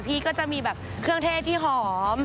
พี่ก็จะมีแบบเครื่องเทศที่หอม